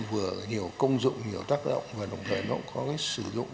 vừa nhiều công dụng nhiều tác động và đồng thời nó cũng có cái sử dụng